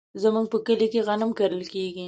زمونږ په کلي کې غنم کرل کیږي.